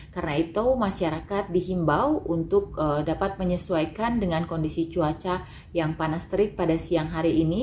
karena itu masyarakat dihimbau untuk dapat menyesuaikan dengan kondisi cuaca yang panas terik pada siang hari ini